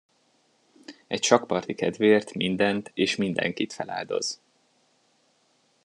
Egy sakkparti kedvéért mindent és mindenkit feláldoz.